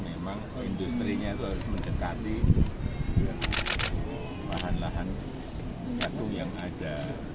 memang industri nya itu harus mendekati lahan lahan jagung yang ada